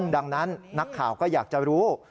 ดังนั้นนักข่าวก็อยากจะรู้